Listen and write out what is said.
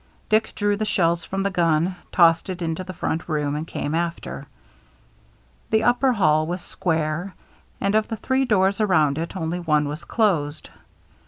Dick drew the shells from the gun, tossed it into the front room, and came after. The upper hall was square, and of the three doors around it only one was closed.